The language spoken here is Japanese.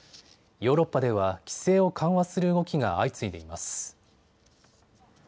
ヨーロッパでは規制を緩和する動きが相次いでいます。